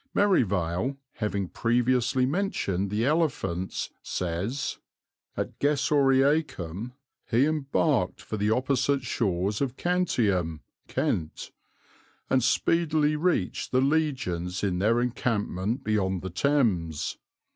Merivale, having previously mentioned the elephants, says, "At Gessoriacum he embarked for the opposite shores of Cantium (Kent), and speedily reached the legions in their encampment beyond the Thames.